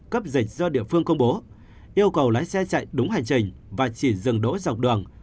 cấp dịch do địa phương công bố yêu cầu lái xe chạy đúng hành trình và chỉ dừng đỗ dọc đường